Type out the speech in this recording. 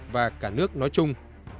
và cả nước nói chung